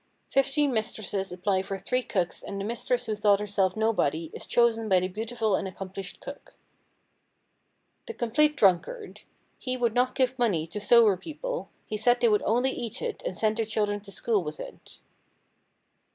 Fifteen mistresses apply for three cooks and the mistress who thought herself nobody is chosen by the beautiful and accomplished cook. The Complete Drunkard. He would not give money to sober people, he said they would only eat it and send their children to school with it.